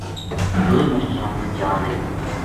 دوئے ماشٹریانی جا رہی